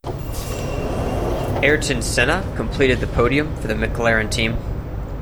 Ayrton Senna completed the podium for the McLaren team.